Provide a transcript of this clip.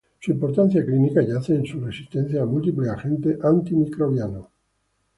Su importancia clínica yace en su resistencia a múltiples agentes antimicrobianos.